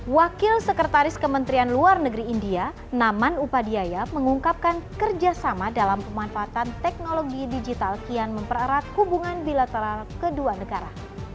wakil sekretaris kementerian luar negeri india naman upadia mengungkapkan kerjasama dalam pemanfaatan teknologi digital kian mempererat hubungan bilateral kedua negara